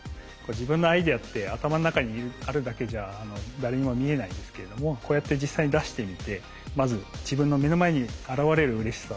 自分のアイデアって頭の中にあるだけじゃ誰にも見えないですけれどもこうやって実際に出してみてまず自分の目の前に現れるうれしさ